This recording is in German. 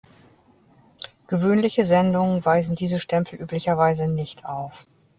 Gewöhnliche Sendungen weisen diese Stempel üblicherweise nicht auf.